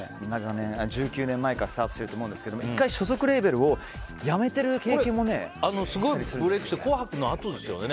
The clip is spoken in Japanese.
１９年前からスタートしていると思うんですが１回、所属レーベルをすごいブレークしたの「紅白」のあとですよね。